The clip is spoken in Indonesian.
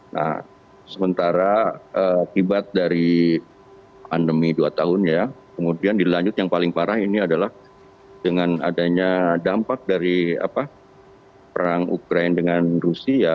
nah sementara akibat dari pandemi dua tahun ya kemudian dilanjut yang paling parah ini adalah dengan adanya dampak dari perang ukraine dengan rusia